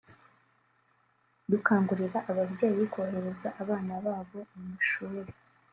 Dukangurira ababyeyi kohereza abana babo mu mashuri